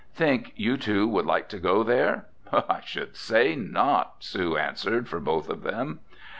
Think you two would like to go there?" "I should say not!" Sue answered for both of them.